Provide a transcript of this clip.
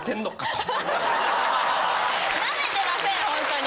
ナメてませんほんとに。